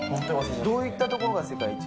どういったところが世界一？